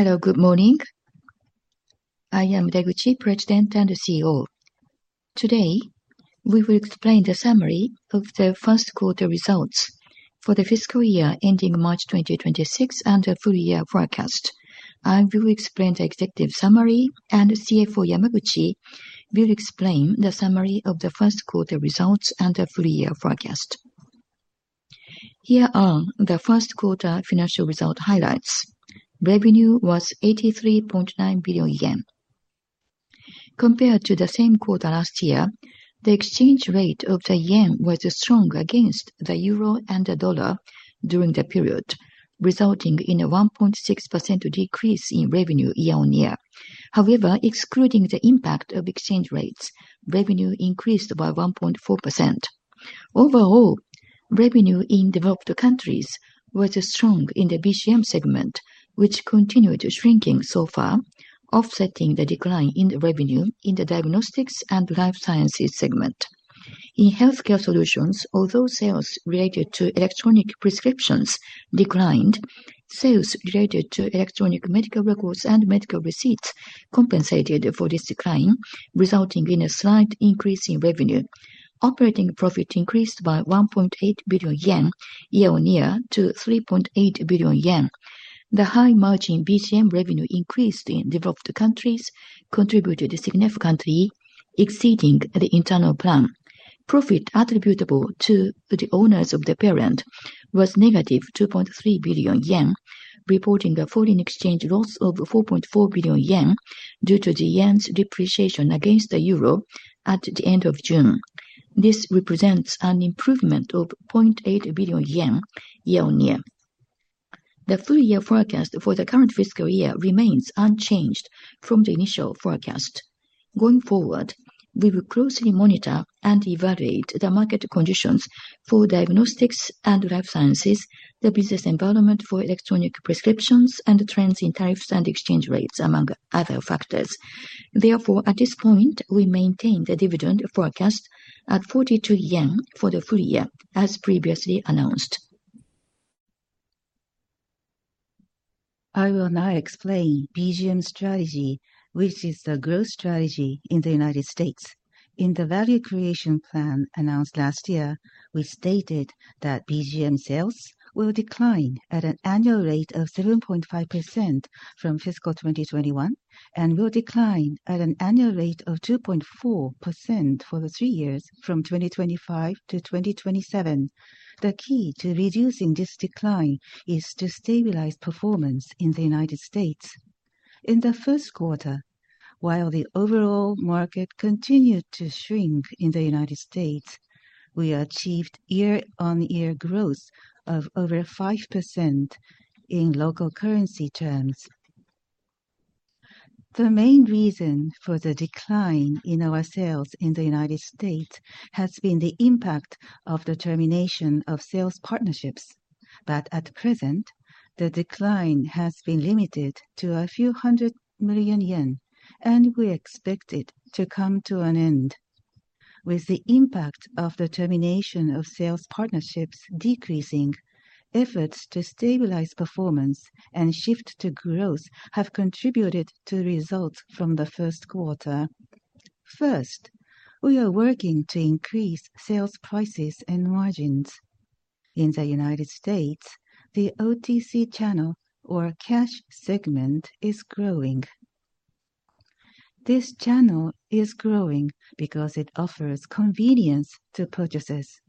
Hello, good morning. I am Deguchi, President and the CEO. Today, we will explain the summary of the first quarter results for the fiscal year ending March 2026 and the full year forecast. I will explain the executive summary, and CFO Yamaguchi will explain the summary of the first quarter results and the full year forecast. Here are the first quarter financial result highlights. Revenue was 83.9 billion yen. Compared to the same quarter last year, the exchange rate of the yen was strong against the euro and the dollar during the period, resulting in a 1.6% decrease in revenue year-on-year. However, excluding the impact of exchange rates, revenue increased by 1.4%. Overall, revenue in developed countries was strong in the BGM segment, which continued shrinking so far, offsetting the decline in revenue in the diagnostics and life science instruments segment. In healthcare solutions, although sales related to electronic prescriptions declined, sales related to electronic medical records and medical receipts compensated for this decline, resulting in a slight increase in revenue. Operating profit increased by 1.8 billion yen year-on-year to 3.8 billion yen. The high margin BGM revenue increase in developed countries contributed significantly, exceeding the internal plan. Profit attributable to the owners of the parent was -2.3 billion yen, reporting a foreign exchange loss of 4.4 billion yen due to the yen's depreciation against the euro at the end of June. This represents an improvement of 0.8 billion yen year-on-year. The full year forecast for the current fiscal year remains unchanged from the initial forecast. Going forward, we will closely monitor and evaluate the market conditions for diagnostics and life science instruments, the business environment for electronic prescriptions, and the trends in tariffs and exchange rates, among other factors. Therefore, at this point, we maintain the dividend forecast at 42 yen for the full year, as previously announced. I will now explain BGM's strategy, which is the growth strategy in the United States. In the Value Creation Plan announced last year, we stated that BGM sales will decline at an annual rate of 7.5% from fiscal 2021 and will decline at an annual rate of 2.4% for the three years from 2025 to 2027. The key to reducing this decline is to stabilize performance in the United States. In the first quarter, while the overall market continued to shrink in the United States, we achieved year-on-year growth of over 5% in local currency terms. The main reason for the decline in our sales in the United States has been the impact of the termination of sales partnerships. At present, the decline has been limited to a few hundred million yen, and we expect it to come to an end. With the impact of the termination of sales partnerships decreasing, efforts to stabilize performance and shift to growth have contributed to results from the first quarter. First, we are working to increase sales prices and margins. In the United States, the OTC channel, or cash segment, is growing. This channel is growing because it offers convenience to purchases,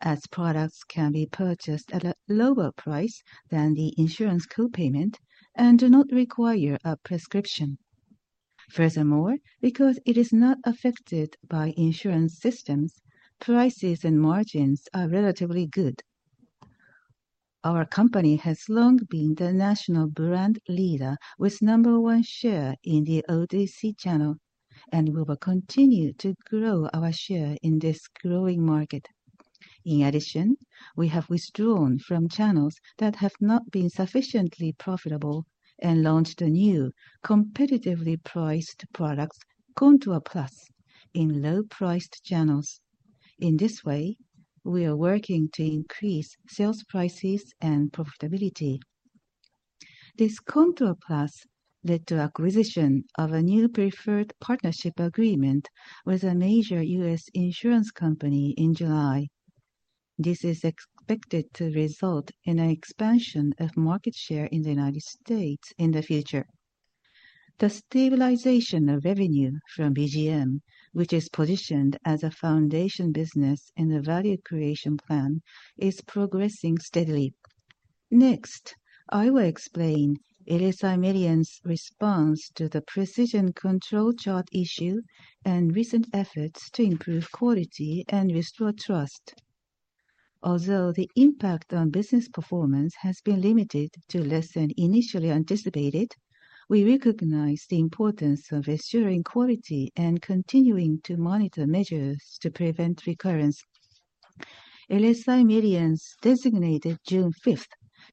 as products can be purchased at a lower price than the insurance co-payment and do not require a prescription. Furthermore, because it is not affected by insurance systems, prices and margins are relatively good. Our company has long been the national brand leader with number one share in the OTC channel, and we will continue to grow our share in this growing market. In addition, we have withdrawn from channels that have not been sufficiently profitable and launched new competitively priced products, Contour Plus, in low-priced channels. In this way, we are working to increase sales prices and profitability. This Contour Plus led to the acquisition of a new preferred partnership agreement with a major U.S. insurance company in July. This is expected to result in an expansion of market share in the United States in the future. The stabilization of revenue from BGM, which is positioned as a foundation business in the Value Creation Plan, is progressing steadily. Next, I will explain LSI Medience response to the precision control chart issue and recent efforts to improve quality and restore trust. Although the impact on business performance has been limited to less than initially anticipated, we recognize the importance of ensuring quality and continuing to monitor measures to prevent recurrence. LSI Medience designated June 5th,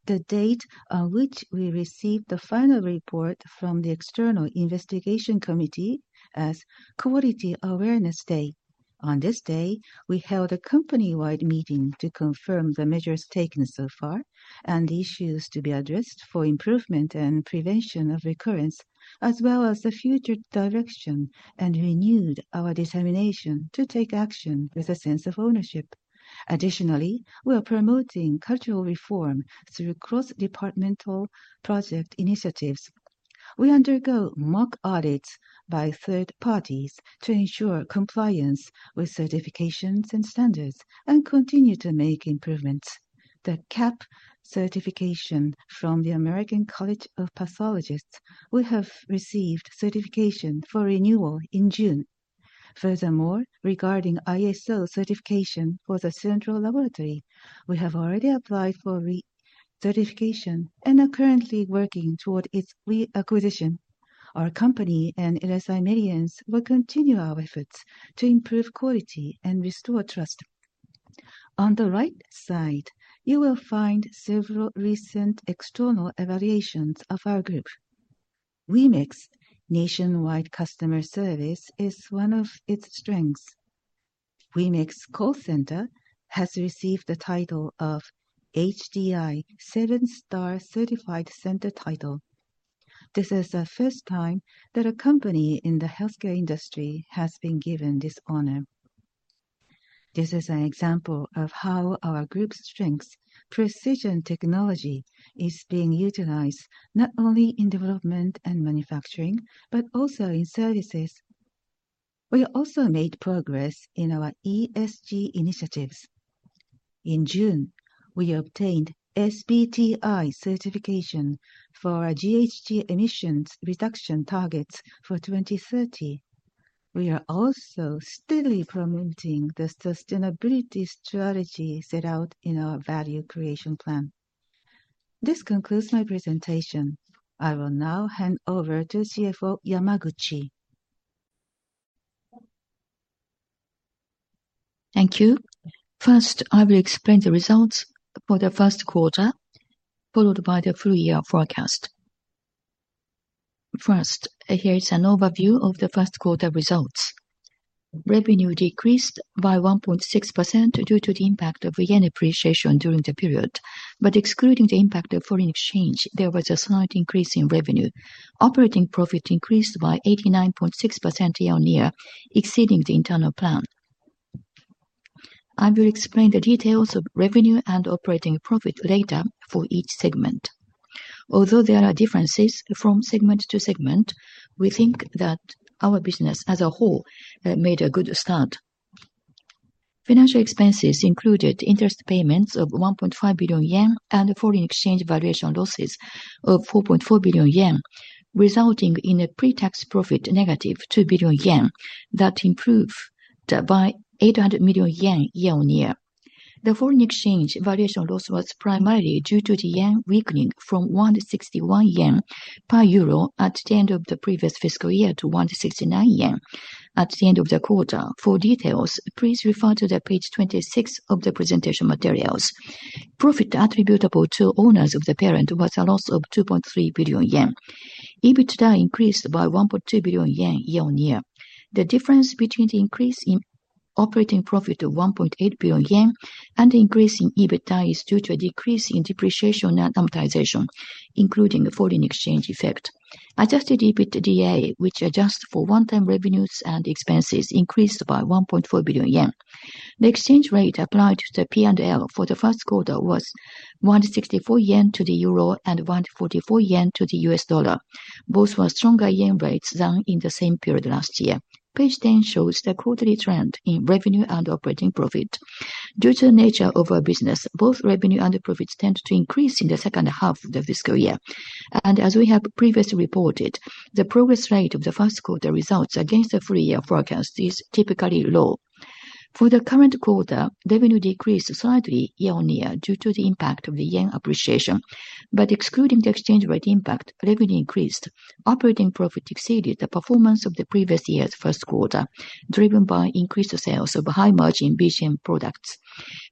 the date on which we received the final report from the External Investigation Committee, as Quality Awareness Day. On this day, we held a company-wide meeting to confirm the measures taken so far and the issues to be addressed for improvement and prevention of recurrence, as well as the future direction, and renewed our determination to take action with a sense of ownership. Additionally, we are promoting cultural reform through cross-departmental project initiatives. We undergo mock audits by third parties to ensure compliance with certifications and standards, and continue to make improvements. The CAP certification from the American College of Pathologists will have received certification for renewal in June. Furthermore, regarding ISO certification for the Central Laboratory, we have already applied for re-certification and are currently working toward its re-acquisition. Our company and LSI Medience will continue our efforts to improve quality and restore trust. On the right side, you will find several recent external evaluations of our group. Wemex nationwide customer service is one of its strengths. Wemex call center has received the title of HDI Seven-Star Certified Center Title. This is the first time that a company in the healthcare industry has been given this honor. This is an example of how our group's strengths, precision technology, is being utilized not only in development and manufacturing, but also in services. We also made progress in our ESG initiatives. In June, we obtained SBTi certification for GHG emissions reduction targets for 2030. We are also steadily promoting the sustainability strategy set out in our Value Creation Plan. This concludes my presentation. I will now hand over to CFO Yamaguchi. Thank you. First, I will explain the results for the first quarter, followed by the full year forecast. First, here is an overview of the first quarter results. Revenue decreased by 1.6% due to the impact of yen appreciation during the period. Excluding the impact of foreign exchange, there was a slight increase in revenue. Operating profit increased by 89.6% year-on-year, exceeding the internal plan. I will explain the details of revenue and operating profit later for each segment. Although there are differences from segment to segment, we think that our business as a whole made a good start. Financial expenses included interest payments of 1.5 billion yen and foreign exchange valuation losses of 4.4 billion yen, resulting in a pre-tax profit -2 billion yen that improved by 800 million yen year-on-year. The foreign exchange valuation loss was primarily due to the yen weakening from 161 yen per euro at the end of the previous fiscal year to 169 yen at the end of the quarter. For details, please refer to page 26 of the presentation materials. Profit attributable to owners of the parent was a loss of 2.3 billion yen. EBITDA increased by 1.2 billion yen year-on-year. The difference between the increase in operating profit of 1.8 billion yen and the increase in EBITDA is due to a decrease in depreciation and amortization, including the foreign exchange effect. Adjusted EBITDA, which adjusts for one-time revenues and expenses, increased by 1.4 billion yen. The exchange rate applied to the P&L for the first quarter was 164 yen to the euro and 144 yen to the U.S. dollar. Both were stronger yen rates than in the same period last year. Page 10 shows the quarterly trend in revenue and operating profit. Due to the nature of our business, both revenue and profits tend to increase in the second half of the fiscal year. As we have previously reported, the progress rate of the first quarter results against the full year forecast is typically low. For the current quarter, revenue decreased slightly year-on-year due to the impact of the yen appreciation. Excluding the exchange rate impact, revenue increased. Operating profit exceeded the performance of the previous year's first quarter, driven by increased sales of high-margin BGM products.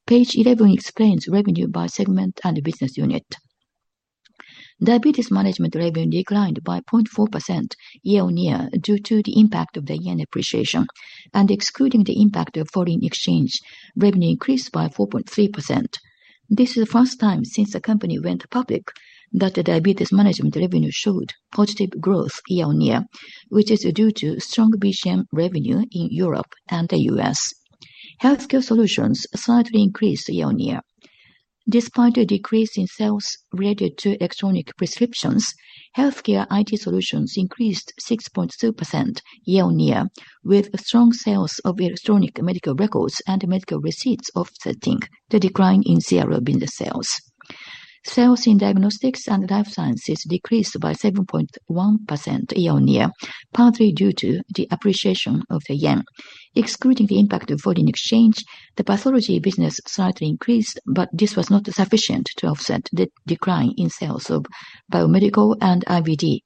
Page 11 explains revenue by segment and business unit. Diabetes management revenue declined by 0.4% year-on-year due to the impact of the yen appreciation. Excluding the impact of foreign exchange, revenue increased by 4.3%. This is the first time since the company went public that the diabetes management revenue showed positive growth year-on-year, which is due to strong BGM revenue in Europe and the U.S. Healthcare solutions slightly increased year-on-year. Despite a decrease in sales related to electronic prescriptions, healthcare IT solutions increased 6.2% year-on-year, with strong sales of electronic medical records and medical receipts offsetting the decline in CRO binder sales. Sales in diagnostics and life sciences decreased by 7.1% year-on-year, partly due to the appreciation of the yen. Excluding the impact of foreign exchange, the pathology business slightly increased, but this was not sufficient to offset the decline in sales of Biomedical and IVD.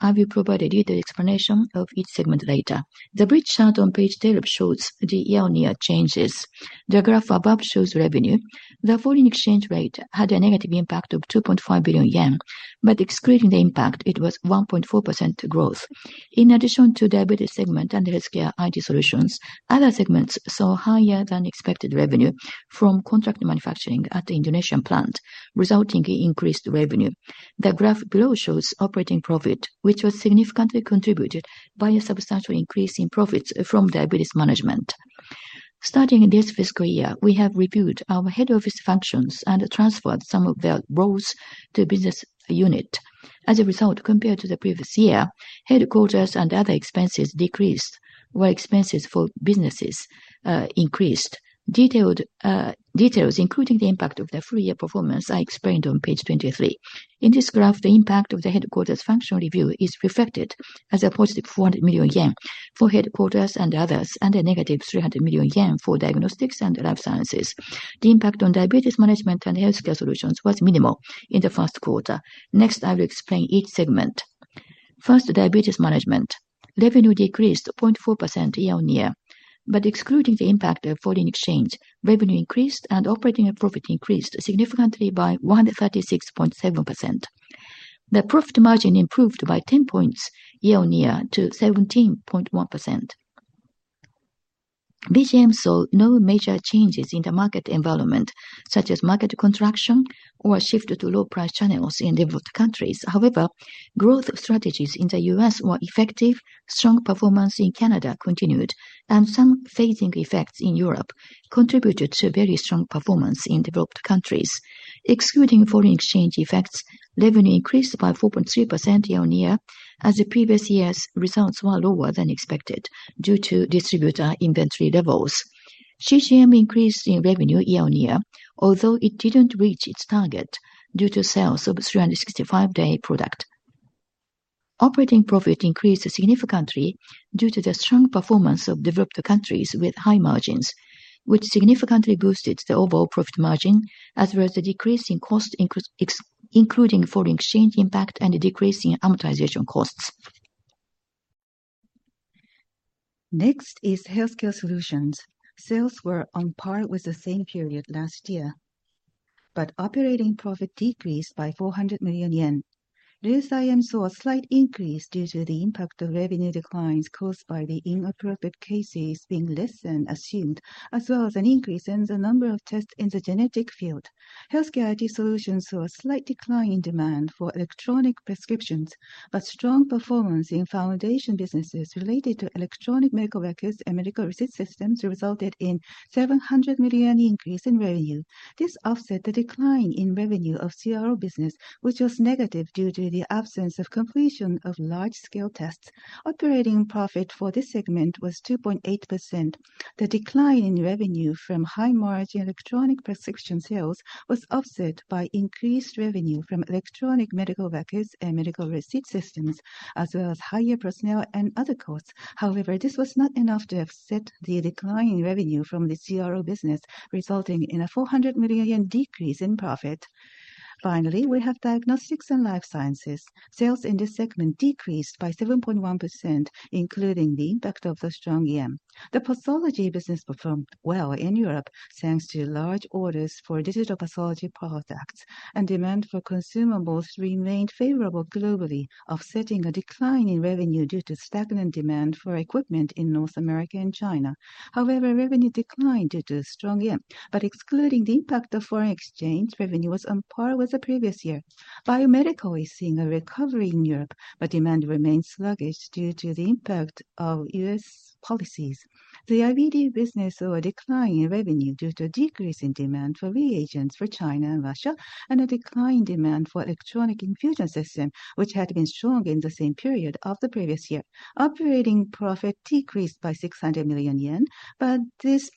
I will provide a detailed explanation of each segment later. The bridge chart on page 12 shows the year-on-year changes. The graph above shows revenue. The foreign exchange rate had a negative impact of 2.5 billion yen, but excluding the impact, it was 1.4% growth. In addition to the diabetes segment and healthcare IT solutions, other segments saw higher than expected revenue from contract manufacturing at the Indonesian plant, resulting in increased revenue. The graph below shows operating profit, which was significantly contributed by a substantial increase in profits from diabetes management. Starting this fiscal year, we have reviewed our head office functions and transferred some of the roles to the business unit. As a result, compared to the previous year, headquarters and other expenses decreased, while expenses for businesses increased. Details, including the impact of the full year performance, are explained on page 23. In this graph, the impact of the headquarters functional review is reflected as a +400 million yen for headquarters and others, and a -300 million yen for diagnostics and life sciences. The impact on diabetes management and healthcare solutions was minimal in the first quarter. Next, I will explain each segment. First, diabetes management. Revenue decreased 0.4% year-on-year. Excluding the impact of foreign exchange, revenue increased and operating profit increased significantly by 136.7%. The profit margin improved by 10 points year-on-year to 17.1%. BGM saw no major changes in the market environment, such as market contraction or a shift to low-price channels in developed countries. However, growth strategies in the U.S. were effective, strong performance in Canada continued, and some phasing effects in Europe contributed to very strong performance in developed countries. Excluding foreign exchange effects, revenue increased by 4.3% year-on-year, as the previous year's results were lower than expected due to distributor inventory levels. CGM increased in revenue year-on-year, although it didn't reach its target due to sales of 365-day product. Operating profit increased significantly due to the strong performance of developed countries with high margins, which significantly boosted the overall profit margin, as well as the decrease in costs, including foreign exchange impact and a decrease in amortization costs. Next is healthcare solutions. Sales were on par with the same period last year, but operating profit decreased by 400 million yen. LSIM saw a slight increase due to the impact of revenue declines caused by the inappropriate cases being less than assumed, as well as an increase in the number of tests in the genetic field. Healthcare IT solutions saw a slight decline in demand for electronic prescriptions, but strong performance in foundation businesses related to electronic medical records and medical receipt systems resulted in a 700 million increase in revenue. This offset the decline in revenue of CRO business, which was negative due to the absence of completion of large-scale tests. Operating profit for this segment was 2.8%. The decline in revenue from high-margin electronic prescription sales was offset by increased revenue from electronic medical records and medical receipt systems, as well as higher personnel and other costs. However, this was not enough to offset the decline in revenue from the CRO business, resulting in a 400 million yen decrease in profit. Finally, we have diagnostics and life sciences. Sales in this segment decreased by 7.1%, including the impact of the strong yen. The pathology business performed well in Europe, thanks to large orders for digital pathology products. Demand for consumables remained favorable globally, offsetting a decline in revenue due to stagnant demand for equipment in North America and China. However, revenue declined due to the strong yen, but excluding the impact of foreign exchange, revenue was on par with the previous year. Biomedical is seeing a recovery in Europe, but demand remains sluggish due to the impact of U.S. policies. The IVD business saw a decline in revenue due to a decrease in demand for reagents for China and Russia, and a decline in demand for electronic infusion systems, which had been strong in the same period of the previous year. Operating profit decreased by 600 million yen, but this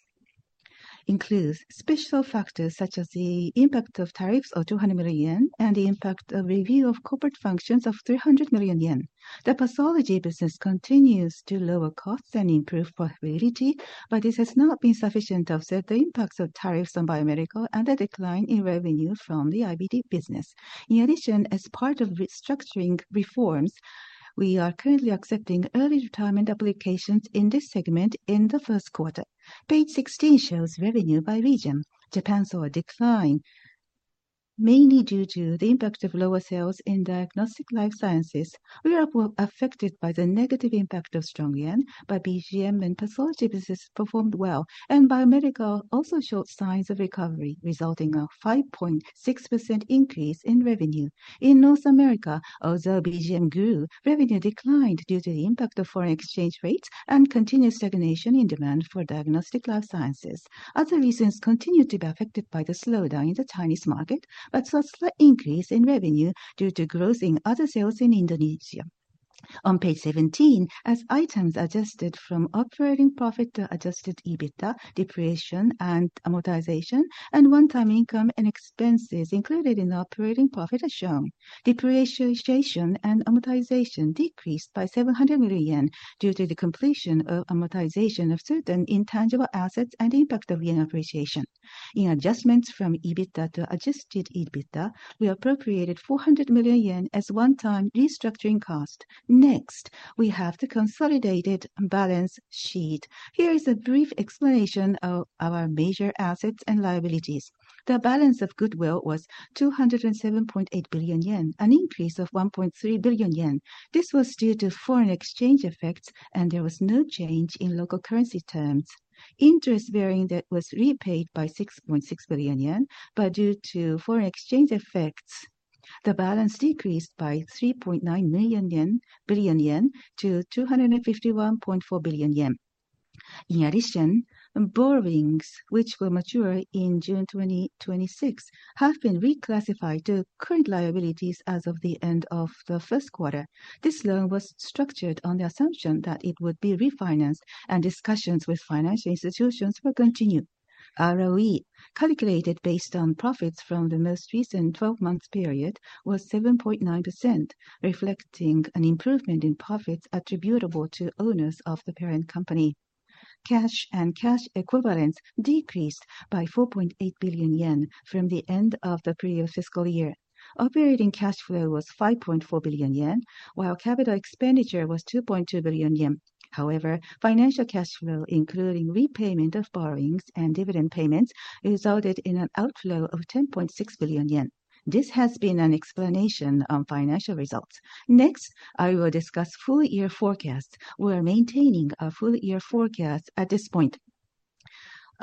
includes special factors such as the impact of tariffs of 200 million yen and the impact of review of corporate functions of 300 million yen. The pathology business continues to lower costs and improve profitability, but this has not been sufficient to offset the impacts of tariffs on Biomedical and the decline in revenue from the IVD business. In addition, as part of restructuring reforms, we are currently accepting early retirement applications in this segment in the first quarter. Page 16 shows revenue by region. Japan saw a decline, mainly due to the impact of lower sales in diagnostics and life sciences. Europe was affected by the negative impact of strong yen, but BGM and pathology business performed well, and Biomedical also showed signs of recovery, resulting in a 5.6% increase in revenue. In North America, although BGM grew, revenue declined due to the impact of foreign exchange rates and continued stagnation in demand for diagnostics and life sciences. Other regions continue to be affected by the slowdown in the Chinese market, but saw a slight increase in revenue due to growth in other sales in Indonesia. On page 17, as items adjusted from operating profit to adjusted EBITDA, depreciation and amortization, and one-time income and expenses included in the operating profit are shown. Depreciation and amortization decreased by 700 million yen due to the completion of amortization of certain intangible assets and the impact of yen appreciation. In adjustments from EBITDA to adjusted EBITDA, we appropriated 400 million yen as one-time restructuring cost. Next, we have the consolidated balance sheet. Here is a brief explanation of our major assets and liabilities. The balance of goodwill was 207.8 billion yen, an increase of 1.3 billion yen. This was due to foreign exchange effects, and there was no change in local currency terms. Interest bearing debt was repaid by 6.6 billion yen, but due to foreign exchange effects, the balance decreased by 3.9 billion yen to 251.4 billion yen. In addition, borrowings, which will mature in June 2026, have been reclassified to current liabilities as of the end of the first quarter. This loan was structured on the assumption that it would be refinanced, and discussions with financial institutions were continued. ROE calculated based on profits from the most recent 12-month period was 7.9%, reflecting an improvement in profits attributable to owners of the parent. Cash and cash equivalents decreased by 4.8 billion yen from the end of the previous fiscal year. Operating cash flow was 5.4 billion yen, while capital expenditure was 2.2 billion yen. However, financial cash flow, including repayment of borrowings and dividend payments, resulted in an outflow of 10.6 billion yen. This has been an explanation of financial results. Next, I will discuss full year forecasts. We are maintaining a full year forecast at this point.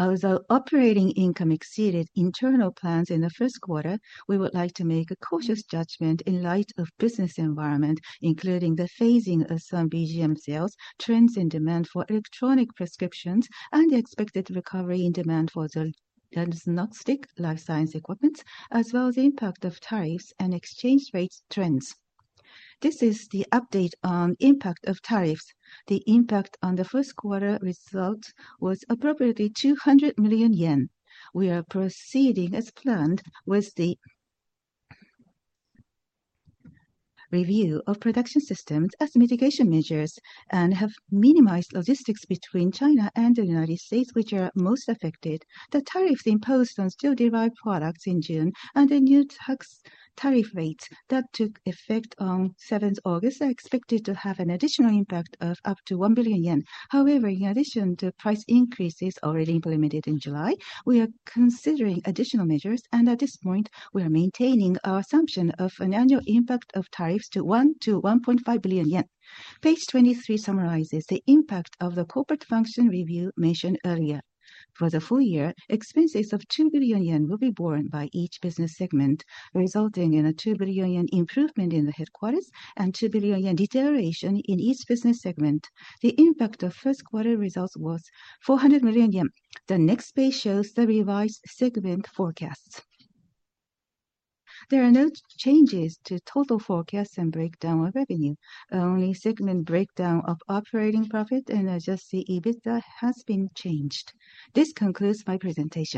Although operating income exceeded internal plans in the first quarter, we would like to make a cautious judgment in light of the business environment, including the phasing of some BGM sales, trends in demand for electronic prescriptions, and the expected recovery in demand for the diagnostics and life science instruments, as well as the impact of tariffs and exchange rate trends. This is the update on the impact of tariffs. The impact on the first quarter results was approximately 200 million yen. We are proceeding as planned with the review of production systems as mitigation measures and have minimized logistics between China and the United States, which are most affected. The tariffs imposed on steel-derived products in June and the new tax tariff rates that took effect on 7th August are expected to have an additional impact of up to 1 billion yen. However, in addition to price increases already implemented in July, we are considering additional measures, and at this point, we are maintaining our assumption of an annual impact of tariffs to 1-1.5 billion yen. Page 23 summarizes the impact of the corporate function review mentioned earlier. For the full year, expenses of 2 billion yen will be borne by each business segment, resulting in a 2 billion yen improvement in the headquarters and a 2 billion yen deterioration in each business segment. The impact of first quarter results was 400 million yen. The next page shows the revised segment forecasts. There are no changes to total forecasts and breakdown of revenue. The only segment breakdown of operating profit and adjusted EBITDA has been changed. This concludes my presentation.